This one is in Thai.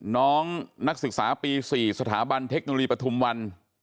น้องนักศึกษาปี๔สถาบันเทคโนโลยีปฐุมวัน